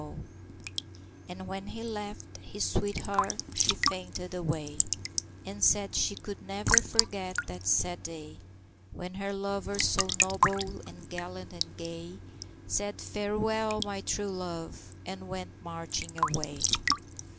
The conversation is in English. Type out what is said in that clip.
And when he left, his sweetheart she fainted away, And said she could never forget the sad day When her lover so noble, and gallant and gay, Said "Fare you well, my true love!" and went marching away.